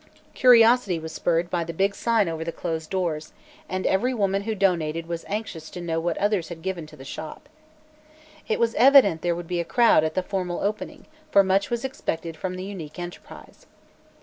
Curiosity was spurred by the big sign over the closed doors, and every woman who donated was anxious to know what others had given to the shop. It was evident there would be a crowd at the formal "opening," for much was expected from the unique enterprise.